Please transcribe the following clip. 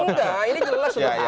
enggak ini jelas